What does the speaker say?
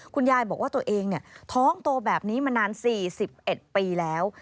คุณยายบอกว่าตัวเองท้องโตแบบนี้มานาน๔๑ปีแล้ว